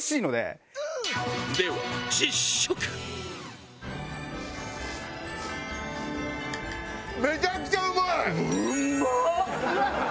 ではめちゃくちゃうまい！